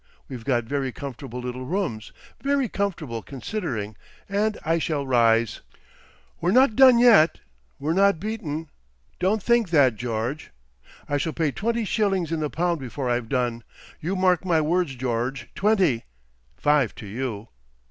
_ We've got very comfortable little rooms, very comfortable considering, and I shall rise. We're not done yet, we're not beaten; don't think that, George. I shall pay twenty shillings in the pound before I've done—you mark my words, George,—twenty—five to you....